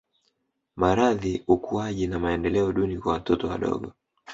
Maradhi ukuaji na maendeleo duni kwa watoto wadogo